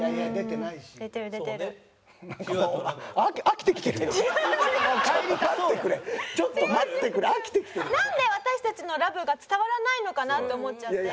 なんで私たちのラブが伝わらないのかなって思っちゃって。